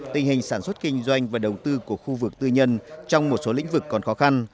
tình hình sản xuất kinh doanh và đầu tư của khu vực tư nhân trong một số lĩnh vực còn khó khăn